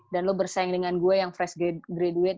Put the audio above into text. dan lo bersaing dengan gue yang fresh graduate